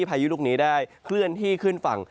พายุลูกนี้ได้เคลื่อนที่ขึ้นฝั่ง